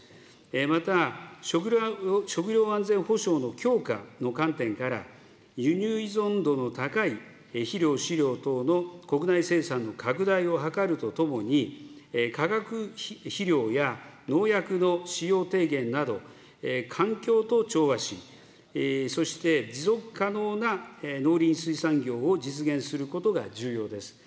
また食料安全保障の強化の観点から、輸入依存度の高い肥料、飼料等の国内生産の拡大を図るとともに、化学肥料や農薬の使用低減など、環境と調和し、そして持続可能な農林水産業を実現することが重要です。